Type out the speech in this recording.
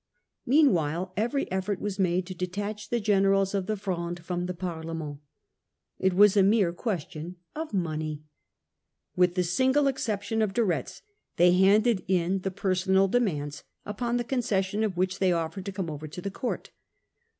Meanwhile every effort was made to detach the generals of the Fronde from the Parlement It was a mere question of jnoney. 46 The Parliamentary Fronde . 1649k With the single exception of De Retz, they handed in the personal demands upon the concession of which they Mercen °ff ere d to come over to the court.